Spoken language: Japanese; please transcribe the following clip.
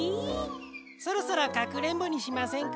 そろそろかくれんぼにしませんか？